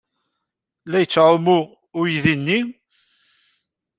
La yettɛumu uydi-nni?